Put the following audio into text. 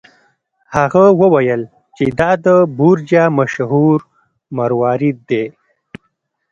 هغه وویل چې دا د بورجیا مشهور مروارید دی.